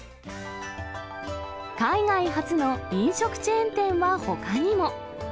海外発の飲食チェーン店はほかにも。